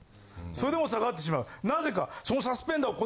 それでも下がってしまうなぜかそのサスペンダー